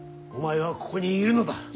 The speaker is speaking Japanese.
お前はここにいるのだ。